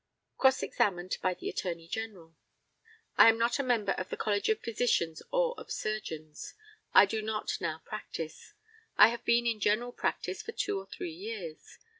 Cross examined by the ATTORNEY GENERAL: I am not a member of the College of Physicians or of Surgeons. I do not now practise. I have been in general practice for two or three years.